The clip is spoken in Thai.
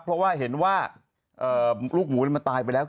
เพราะว่าเห็นว่าลูกหมูมันตายไปแล้ว